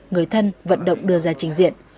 người thân vận động đưa ra trình diện